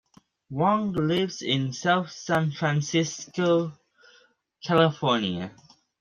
Wong lives in South San Francisco, California.